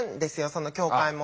その教会も。